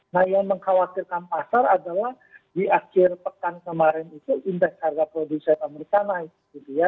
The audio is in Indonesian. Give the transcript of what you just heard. nah yang mengkhawatirkan pasar adalah di akhir pekan kemarin itu indeks harga produsen amerika naik gitu ya